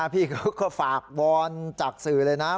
พี่เขาก็ฝากวอนจากสื่อเลยนะ